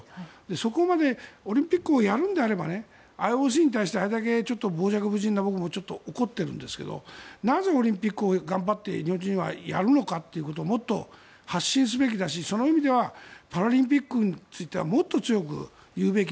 そこまでオリンピックをやるのであればＩＯＣに対してあれだけ傍若無人な僕も怒ってるんですけどなぜオリンピックを頑張って日本人はやるのかということをもっと発信すべきだしその意味ではパラリンピックについてはもっと強く言うべき。